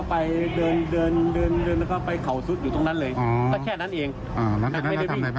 พี่เป็นอะไรไหมพี่ก็บอกอย่างนี้